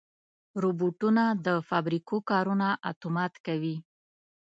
روبوټونه د فابریکو کارونه اتومات کوي.